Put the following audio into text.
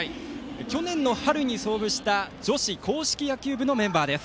去年の春に創部した女子硬式野球部のメンバーです。